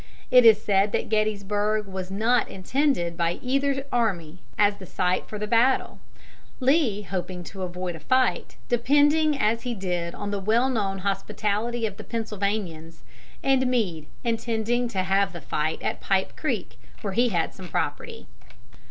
It is said that Gettysburg was not intended by either army as the site for the battle, Lee hoping to avoid a fight, depending as he did on the well known hospitality of the Pennsylvanians, and Meade intending to have the fight at Pipe Creek, where he had some property.